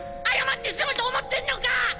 謝って済むと思ってんのか！